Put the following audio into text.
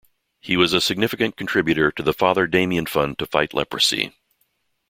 He was a significant contributor to the Father Damien fund to fight leprosy.